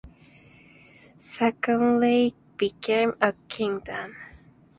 Saxony became a kingdom.